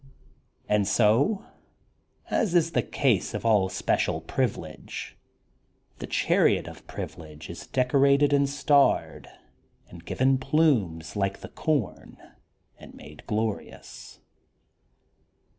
And so, as is the tjase of all special privilege, the chariot of privilege is decorated and starred and given plumes like the com and made glorious.